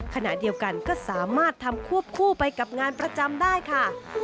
ขณะเดียวกันก็สามารถทำควบคู่ไปกับงานประจำได้ค่ะ